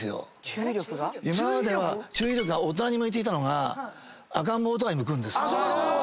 注意力が大人に向いていたのが赤ん坊とかに向くんです。